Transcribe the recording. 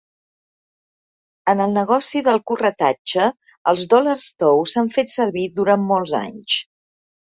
En el negoci del corretatge, els dòlars tous s'han fet servir durant molts anys.